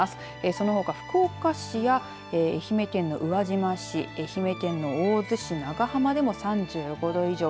そのほか福岡市や愛媛県の宇和島市愛媛県の大洲市長浜でも３５度以上。